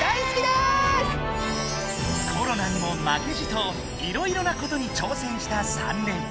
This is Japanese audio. コロナにもまけじといろいろなことに挑戦した３年。